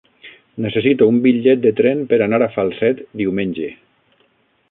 Necessito un bitllet de tren per anar a Falset diumenge.